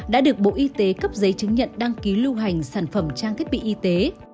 đã được bộ y tế cấp giấy chứng nhận đăng ký lưu hành sản phẩm trang thiết bị y tế